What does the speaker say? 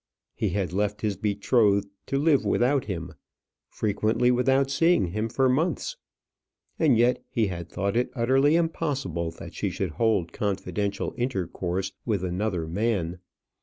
He had left his betrothed to live without him, frequently without seeing him for months, and yet he had thought it utterly impossible that she should hold confidential intercourse with another man.